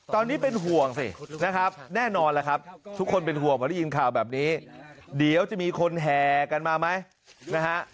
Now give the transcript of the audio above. ตอนนี้เป็นห่วงสินะครับแน่นอนล่ะครับทุกคนเป็นห่วงพอได้ยินข่าวแบบนี้เดี๋ยวจะมีคนแห่กันมาไหมนะฮะ